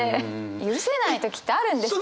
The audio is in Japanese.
許せない時ってあるんですよ。